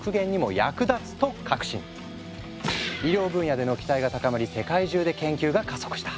医療分野での期待が高まり世界中で研究が加速した。